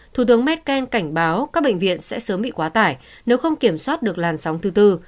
thủ tướng merkel cảnh báo các bệnh viện sẽ sớm bị quá tải nếu không kiểm soát được làn sóng thứ tư